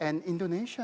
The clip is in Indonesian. dan di pasar indonesia